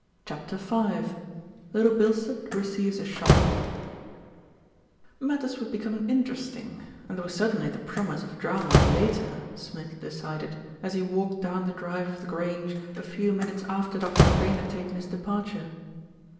CHAPTER V LITTLE BILSTEAD RECEIVES A SHOCK MATTERS were becoming interesting, and there was certainly the promise of drama later, Smith decided, as he walked down the drive of The Grange a few minutes after Dr. Crane had taken his departure.